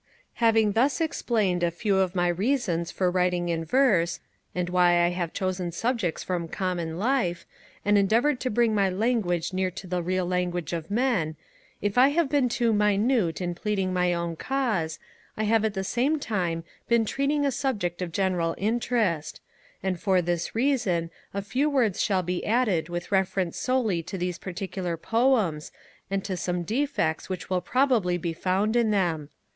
Having thus explained a few of my reasons for writing in verse, and why I have chosen subjects from common life, and endeavoured to bring my language near to the real language of men, if I have been too minute in pleading my own cause, I have at the same time been treating a subject of general interest; and for this reason a few words shall be added with reference solely to these particular poems, and to some defects which will probably be found in them.